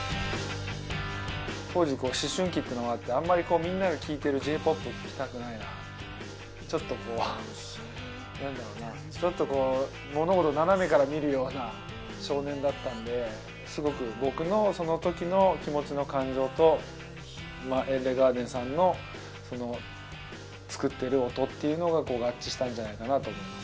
当時こう思春期っていうのもあってあんまりみんなが聴いてるＪ−ＰＯＰ聴きたくないなっていうちょっとこう何だろうなちょっとこう物事を斜めから見るような少年だったんですごく僕のその時の気持ちの感情とＥＬＬＥＧＡＲＤＥＮさんの作ってる音っていうのが合致したんじゃないかなと思います。